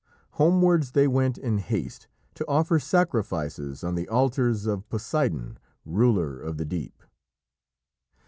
Homewards they went in haste to offer sacrifices on the altars of Poseidon, ruler of the deep.